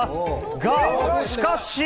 が、しかし！